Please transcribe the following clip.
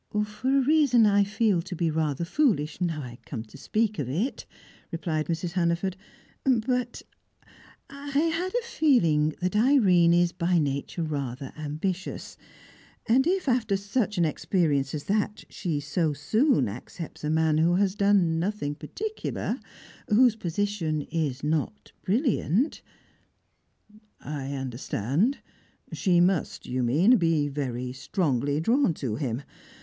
"For a reason I feel to be rather foolish, now I come to speak of it," replied Mrs. Hannaford. "But I had a feeling that Irene is by nature rather ambitious; and if, after such an experience as that, she so soon accepts a man who has done nothing particular, whose position is not brilliant " "I understand. She must, you mean, be very strongly drawn to him.